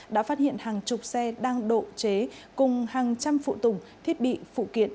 đã phát hiện hàng chục xe đang độ chế cùng hàng trăm phụ tùng thiết bị phụ kiện